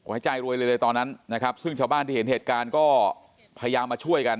หายใจรวยเลยเลยตอนนั้นนะครับซึ่งชาวบ้านที่เห็นเหตุการณ์ก็พยายามมาช่วยกัน